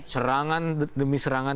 serangan demi serangan